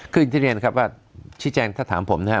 คืออินทรี่เรียนครับว่าชี้แจงถ้าถามผมนะครับ